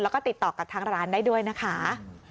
แล้วก็ติดต่อกับทางร้านได้ด้วยนะคะ